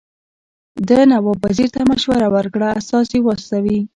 ده نواب وزیر ته مشوره ورکړه استازي واستوي.